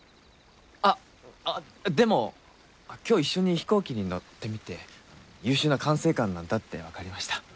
あっでも今日一緒に飛行機に乗ってみて優秀な管制官なんだってわかりました。